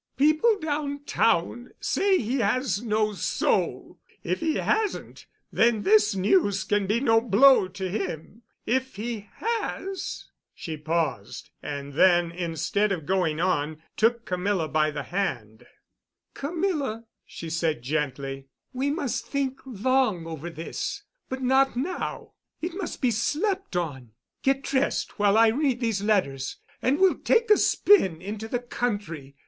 People downtown say he has no soul. If he hasn't, then this news can be no blow to him. If he has——" She paused. And then, instead of going on, took Camilla by the hand. "Camilla," she said gently, "we must think long over this—but not now. It must be slept on. Get dressed while I read these letters, and we'll take a spin into the country.